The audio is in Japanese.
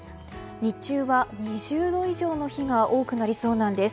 日中は２０度以上の日が多くなりそうなんです。